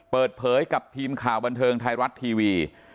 เปิดเผยกับทีมข่าวบันเทิงไทยรัฐทีวี